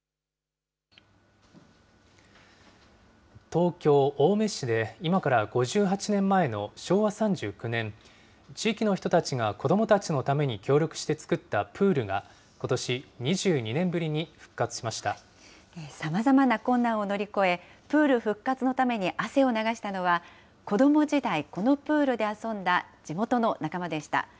東京・青梅市で、今から５８年前の昭和３９年、地域の人たちが子どもたちのために協力して作ったプールが、さまざまな困難を乗り越え、プール復活のために汗を流したのは、子ども時代、このプールで遊んだ地元の仲間でした。